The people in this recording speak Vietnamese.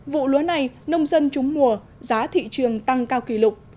vụ lúa này nông dân trúng mùa giá thị trường tăng cao kỷ lục